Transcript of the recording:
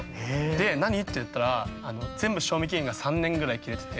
で「何？」って言ったら全部賞味期限が３年ぐらい切れてて。